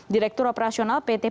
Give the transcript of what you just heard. direktur operasional pt pembangunan